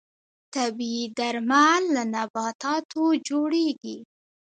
طبیعي درمل له نباتاتو جوړیږي